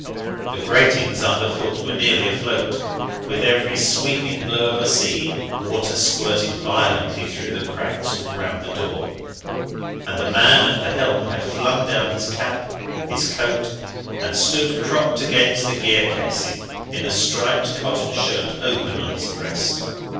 The gratings underfoot were nearly afloat; with every sweeping blow of a sea, water squirted violently through the cracks all round the door, and the man at the helm had flung down his cap, his coat, and stood propped against the gear casing in a striped cotton shirt open on his breast.